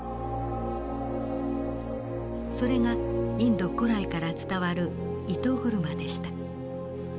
それがインド古来から伝わる糸車でした。